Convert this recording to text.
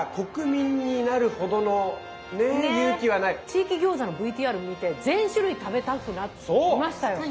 地域餃子のＶＴＲ見て全種類食べたくなりましたよ。